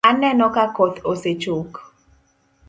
Aneno ka koth osechok